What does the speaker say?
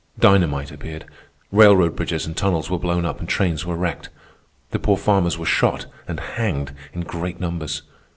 Dynamite appeared. Railroad bridges and tunnels were blown up and trains were wrecked. The poor farmers were shot and hanged in great numbers.